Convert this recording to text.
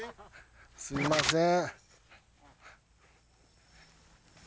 すいません。